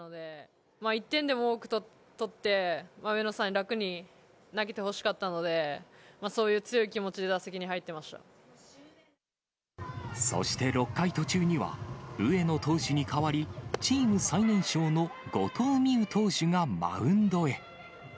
１点でも多く取って、上野さんに楽に投げてほしかったので、そういう強い気持ちで打席に入っそして６回途中には、上野投手に代わり、チーム最年少の後藤希友投手がマウンドへ。